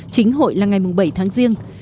chính hội là ngày bảy tháng riêng